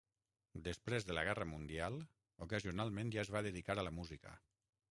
Després de la guerra mundial, ocasionalment ja es va dedicar a la música.